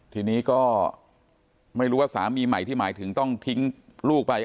ทีนี้ก็ไม่รู้ว่าสามีใหม่ที่หมายถึงต้องทิ้งลูกไป